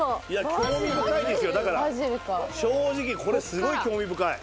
興味深いですよだから正直これすごい興味深い。